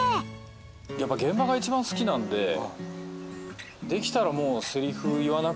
やっぱ現場が一番好きなんでできたらもう。